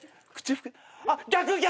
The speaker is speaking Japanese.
あっ逆逆！